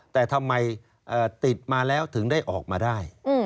แต่ทำไมติดมาแล้วถึงได้ออกมาได้